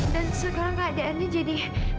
dan sekarang keadaannya jadi